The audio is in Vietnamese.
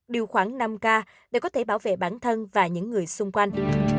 điều khoảng năm k để có thể bảo vệ bản thân và những người xung quanh